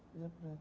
di mana salah